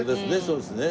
そうですね。